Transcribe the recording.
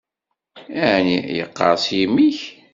Ɛni yeqqers yimi-k?